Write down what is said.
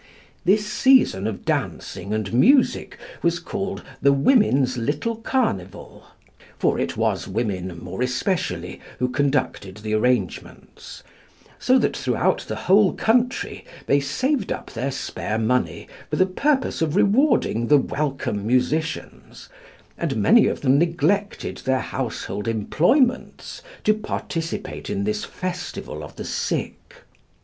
This season of dancing and music was called "the women's little carnival," for it was women more especially who conducted the arrangements; so that throughout the whole country they saved up their spare money, for the purpose of rewarding the welcome musicians, and many of them neglected their household employments to participate in this festival of the sick.